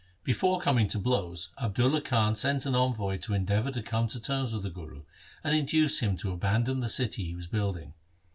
Before coming to blows Abdulla Khan sent an envoy to endeavour to come to terms with the Guru, and induce him to abandon the city he was building.